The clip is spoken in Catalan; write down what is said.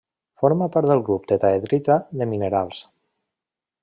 Forma part del grup tetraedrita de minerals.